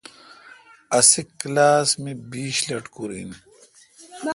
اسی کلاس مہ بیش لٹکور این۔